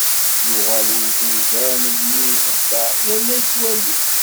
Yuɣal ugugam-nni iheddeṛ, yerna yettwali.